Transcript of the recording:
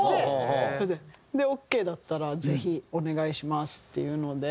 それでオーケーだったらぜひお願いしますっていうので。